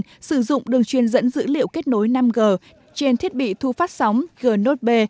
tuy nhiên sử dụng đường truyền dẫn dữ liệu kết nối năm g trên thiết bị thu phát sóng g noteb